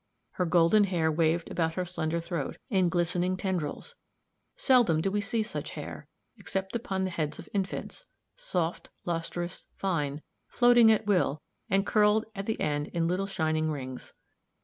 Her golden hair waved about her slender throat, in glistening tendrils. Seldom do we see such hair, except upon the heads of infants soft, lustrous, fine, floating at will, and curled at the end in little shining rings.